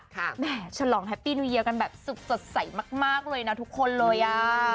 แหม่ฉลองแฮปปี้นูเยียกันแบบสุดสดใสมากเลยนะทุกคนเลยอ่ะ